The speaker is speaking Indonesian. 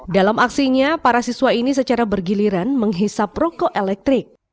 dalam aksinya para siswa ini secara bergiliran menghisap rokok elektrik